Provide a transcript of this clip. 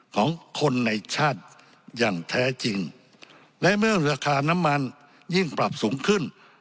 ของคนในชาติอย่างแท้จริงและเมื่อราคาน้ำมันยิ่งปรับสูงขึ้น